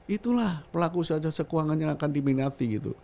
itulah pelaku sahaja sekeuangan yang akan diminati gitu